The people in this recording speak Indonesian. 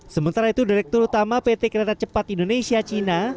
sementara itu direktur utama pt kereta cepat indonesia cina